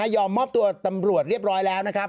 ยอมมอบตัวตำรวจเรียบร้อยแล้วนะครับ